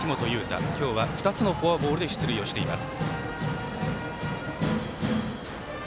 今日は２つのフォアボールで出塁をしています。